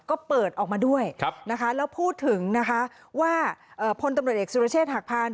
ก็เปิดออกมาด้วยนะคะแล้วพูดถึงนะคะว่าพลตำรวจเอกสุรเชษฐหักพาน